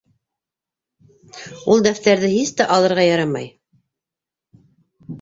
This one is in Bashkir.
— Ул дәфтәрҙе һис тә алырға ярамай.